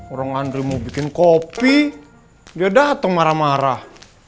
orang andri mau bikin kopi dia dateng marah marah